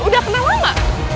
udah kenal sama